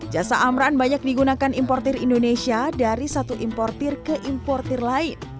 jasa amran banyak digunakan importer indonesia dari satu importer ke importir lain